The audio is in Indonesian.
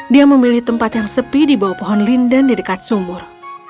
dia memilih tempat yang sepi di bawah pohon linden di dekat sumur